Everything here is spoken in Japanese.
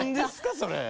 それ。